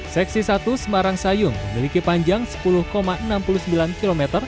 seksi satu semarang sayung memiliki panjang sepuluh enam puluh sembilan km